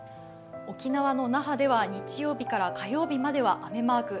沖縄の那覇では日曜日から火曜日までは雨マーク。